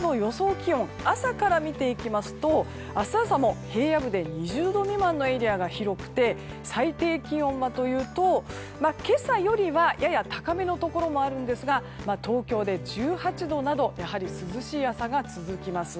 気温朝から見ていきますと明日朝も平野部で２０度未満のエリアが広くて最低気温はというと今朝よりはやや高めのところもあるんですが東京で１８度などやはり涼しい朝が続きます。